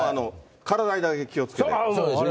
体にだけ気をつけて。